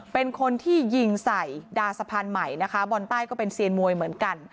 เป็นคนที่ยิงใส่ดาสะพานใหม่นะคะบอลใต้ก็เป็นเซียนมวยเหมือนกัน